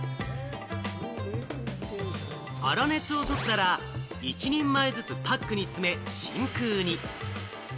粗熱を取ったら、１人前ずつパックに詰め真空に。